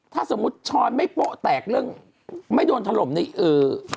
ถ้าสมมุติช้อนไม่โป๊ะแตกเรื่องไม่โดนถล่มในเอ่อ